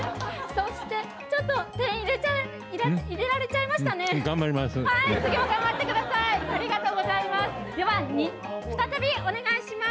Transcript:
そして、ちょっと点入れられちゃ頑張ります。